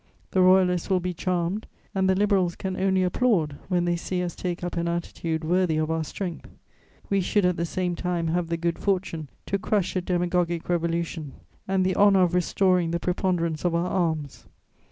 The Royalists will be charmed and the Liberals can only applaud when they see us take up an attitude worthy of our strength. We should at the same time have the good fortune to crush a demagogic revolution and the honour of restoring the preponderance of our arms.